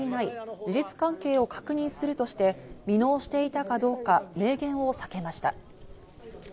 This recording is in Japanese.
事実関係を確認するとして、未納していたかどうか明言を避けました。